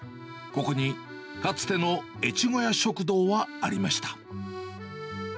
ここに、かつての越後屋食堂はありました。